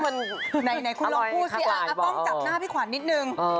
มันเหมือนในคุณลองพูดสิอ้าวป้องจับหน้าพี่ขวานนิดหนึ่ง